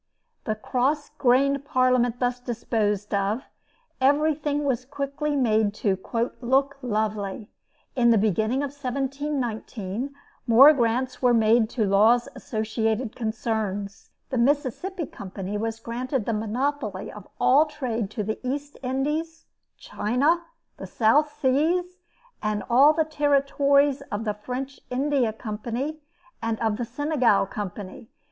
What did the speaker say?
The cross grained Parliament thus disposed of, everything was quickly made to "look lovely." In the beginning of 1719, more grants were made to Law's associated concerns. The Mississippi Company was granted the monopoly of all trade to the East Indies, China, the South Seas, and all the territories of the French India Company, and of the Senegal Company.